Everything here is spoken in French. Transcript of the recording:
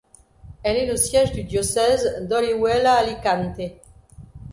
Elle est le siège du diocèse d'Orihuela-Alicante.